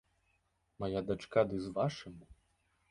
Мая дачка ды з вашым?